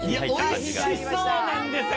美味しそうなんですよ